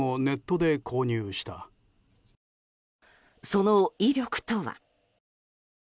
その威力とは。